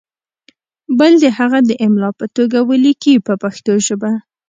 بل دې هغه د املا په توګه ولیکي په پښتو ژبه.